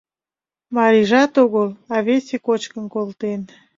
Марийжат огыл, а весе кочкын колтен.